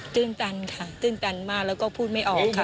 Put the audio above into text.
ตื่นตันค่ะตื่นตันมากแล้วก็พูดไม่ออกค่ะ